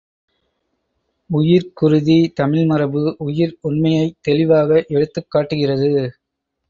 உயிர்க்குறுதி தமிழ்மரபு உயிர் உண்மையைத் தெளிவாக எடுத்துக் காட்டுகிறது.